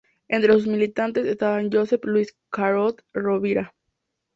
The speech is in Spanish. Entre sus militantes estaba Josep-Lluís Carod-Rovira.